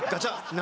何？